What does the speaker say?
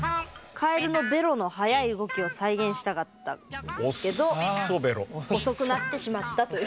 カエルのベロの速い動きを再現したかったけど遅くなってしまったという。